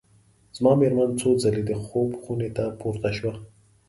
زما مېرمن څو ځلي د خوب خونې ته پورته شوه.